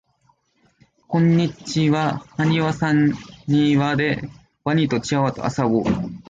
こんにちははにわさんにわでワニとチワワとあそぼう